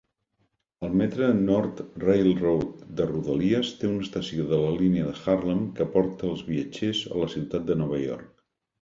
El Metre-North Railroad de rodalies té una estació de la línia de Harlem que porta els viatgers a la ciutat de Nova York.